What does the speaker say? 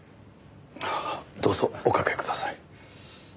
どうぞおかけください。